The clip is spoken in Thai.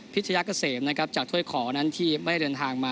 ชยาเกษมนะครับจากถ้วยขอนั้นที่ไม่ได้เดินทางมา